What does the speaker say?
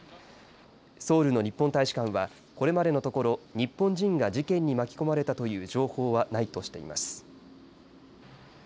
ソウルの日本大使館はこれまでのところ日本人が事件に巻き込まれたという情報はないとしています。